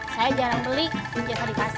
saya jarang beli java dikasih